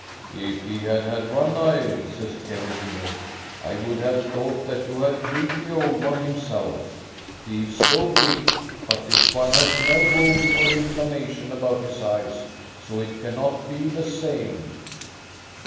" If he had had one eye," says Kevenhiiller, " I would have thought that you had killed the old one himself, he is so big; but this one has no wound or inflamma tion about his eyes, so it cannot be the same."